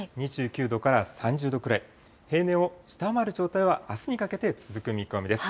２９度から３０度くらい、平年を下回る状態は、あすにかけて続く見込みです。